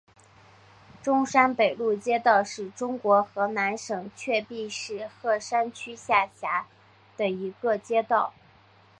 中山北路街道是中国河南省鹤壁市鹤山区下辖的一个街道。